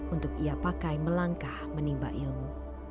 untuk ia pakai melangkah menimba ilmu